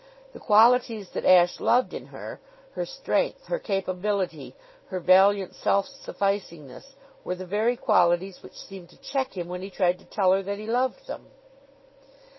The qualities that Ashe loved in her her strength, her capability, her valiant self sufficingness were the very qualities which seemed to check him when he tried to tell her that he loved them.